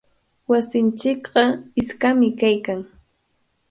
Wasinchikqa iskami kaykan.